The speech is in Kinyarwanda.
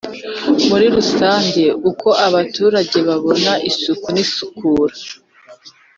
muri rusange Uko abaturage babona isuku n isukura.